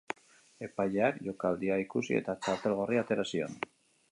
Epaileak jokaldia ikusi eta txartel gorria atera zion.